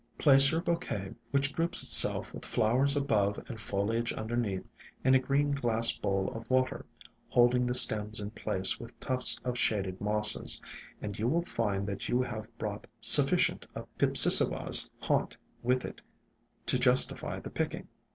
Place your bouquet, which groups itself with flow ers above and foliage underneath, in a green glass bowl of water, holding the stems in place with tufts of shaded mosses, and you will find that you have brought sufficient of Pipsissewa's haunt with it to justify the picking.